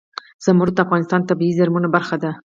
زمرد د افغانستان د طبیعي زیرمو برخه ده.